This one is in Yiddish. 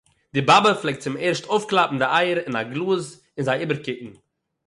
די באַבע פלעגט צוערשט אויפקלאַפּן די אייער אין אַ גלאָז און זיי איבערקוקן